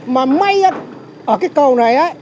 mà may ở cái cầu này